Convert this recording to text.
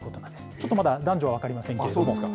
ちょっとまだ男女は分かりませんけれども。